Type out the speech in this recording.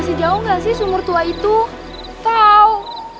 masih jauh nggak sih sumur tua itu tahu